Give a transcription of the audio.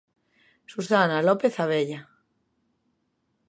Susana López Abella.